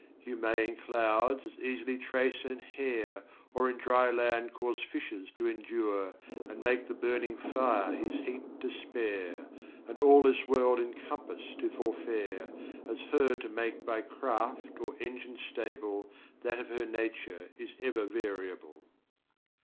You may in clouds as eas'ly trace an hare, Or in dry land cause fishes to endure, And make the burning fire his heat to spare, And all this world in compass to forfare,30 As her to make by craft or engine stable That of her nature is ever variable.